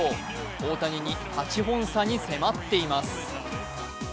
大谷に８本差に迫っています。